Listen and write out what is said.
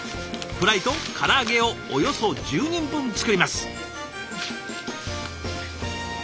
フライと唐揚げをおよそ１０人分作ります。